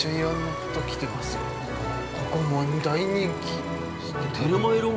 ◆ここ、もう大人気。